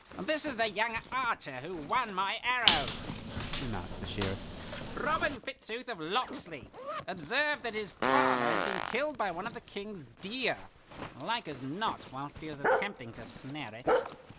"This is the young archer who won my arrow," remarked the Sheriff. "Robin Fitzooth of Locksley. Observe that his father has been killed by one of the King's deer; like as not whilst he was attempting to snare it.